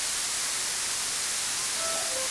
正しい文法を用いて文章を作りなさい。